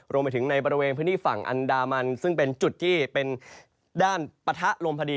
รวมไปถึงในบริเวณพื้นที่ฝั่งอันดามันซึ่งเป็นจุดที่เป็นด้านปะทะลมพอดี